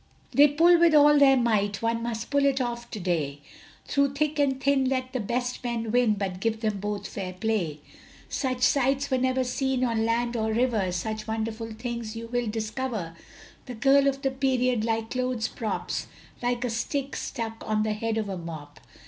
They pull with all their might, One must pull it off to day, Through thick and thin, let the best men win, But give them both fair play. Such sights were never seen on land or river, Such wonderful things you will discover The girl of the period like clothes props. Like a stick stuck on the head of a mop!